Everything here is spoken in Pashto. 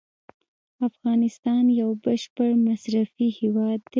افغانستان یو بشپړ مصرفي هیواد دی.